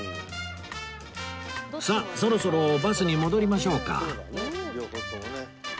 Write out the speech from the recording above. さあそろそろバスに戻りましょうか